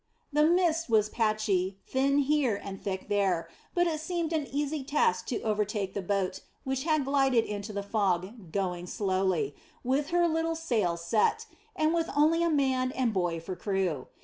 The mist was patchy, thin here and thick there, but it seemed an easy task to overtake the boat, which had glided into the fog, going slowly, with her little sail set, and with only a man and boy for crew.